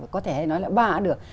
có thể hay nói là ba đã được